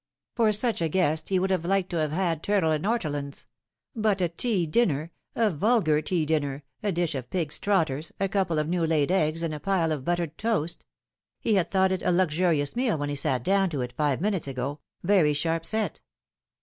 For such a guest he would have liked to have had turtle and ortolans ; but a tea dinner, a vulgar tea dinner a dish of pig's trotters, a couple of new laid eggs, and a pile of buttered toast ! He had thought it a luxuri ous meal when he sat down to it, five minutes ago, very sharp set.